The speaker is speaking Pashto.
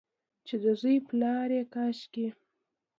چې د زوی پلا یې کاشکي،